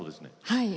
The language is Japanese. はい。